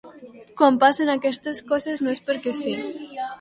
Quan passen aquestes coses no és perquè sí.